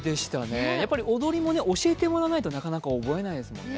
踊りも教えてもらわないとなかなか覚えないですもんね。